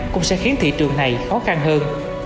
cũng sẽ khiến thị trường này khó khăn hơn